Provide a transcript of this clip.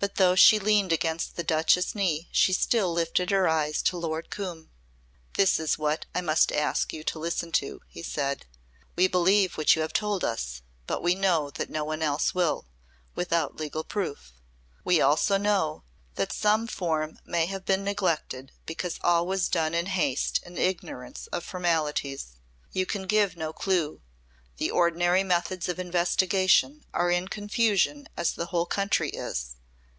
But though she leaned against the Duchess' knee she still lifted her eyes to Lord Coombe. "This is what I must ask you to listen to," he said. "We believe what you have told us but we know that no one else will without legal proof. We also know that some form may have been neglected because all was done in haste and ignorance of formalities. You can give no clue the ordinary methods of investigation are in confusion as the whole country is.